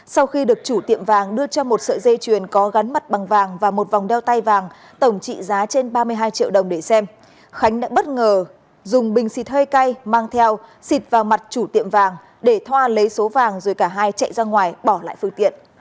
sau khi được chủ tiệm vàng đưa cho một sợi dây chuyền có gắn mặt bằng vàng và một vòng đeo tay vàng tổng trị giá trên ba mươi hai triệu đồng để xem khánh đã bất ngờ dùng bình xịt hơi cay mang theo xịt vào mặt chủ tiệm vàng để thoa lấy số vàng rồi cả hai chạy ra ngoài bỏ lại phương tiện